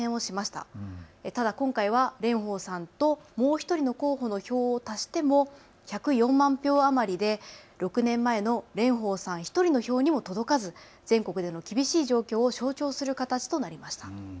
ただ今回は蓮舫さんともう１人の候補の票を足しても１０４万票余りで６年前の蓮舫さん１人の票にも届かず全国での厳しい状況を象徴する形となりました。